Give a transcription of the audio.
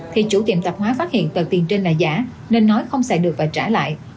thì chủ tiệm tạp hóa phát hiện tờ tiền trên là giả nên nói không xài được và trả lại